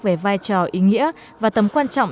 về vai trò ý nghĩa và tầm quan trọng